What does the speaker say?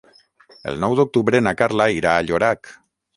El nou d'octubre na Carla irà a Llorac.